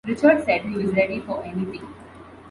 Richard said he was ready for anything.